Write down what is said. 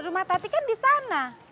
rumah tati kan di sana